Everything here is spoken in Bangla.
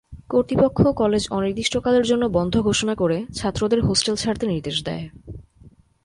কর্তৃপক্ষ কলেজ অনির্দিষ্টকালের জন্য বন্ধ ঘোষণা করে ছাত্রদের হোস্টেল ছাড়তে নির্দেশ দেয়।